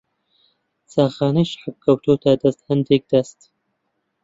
چایخانەی شەعب کەوتۆتە دەست ھەندێک دەست